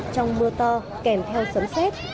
trong mưa to kèm theo sấm xét